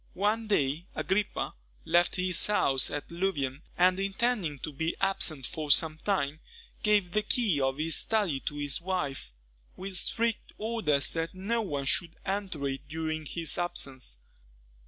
One day, Agrippa left his house at Louvain, and intending to be absent for some time, gave the key of his study to his wife, with strict orders that no one should enter it during his absence.